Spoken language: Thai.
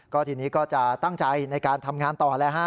ก็ทีนี้ก็จะตั้งใจในการทำงานต่อแล้วฮะ